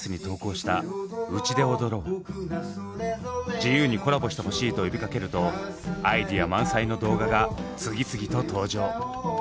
自由にコラボしてほしいと呼びかけるとアイデア満載の動画が次々と登場。